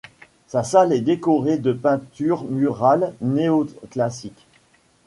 Sa salle est décorée de peintures murales néo-classiques.